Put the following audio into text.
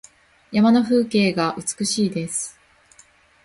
山の風景が美しいです。